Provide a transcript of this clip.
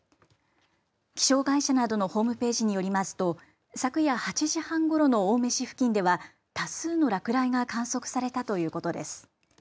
気象会社などのホームページによりますと昨夜８時半ごろの青梅市付近では多数の落雷が観測されたということです。